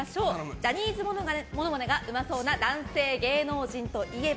ジャニーズものまねがうまそうな男性芸能人といえば？